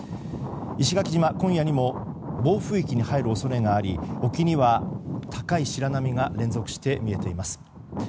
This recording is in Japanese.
石垣島、今夜にも暴風域に入る恐れがあり沖には、高い白波が連続して見えています。